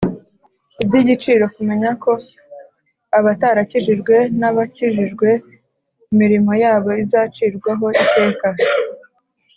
iby'igiciro kumenya ko abatarakijijwe n'abakijijwe imirimo yabo izacirwaho iteka.